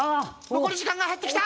残り時間が減ってきた！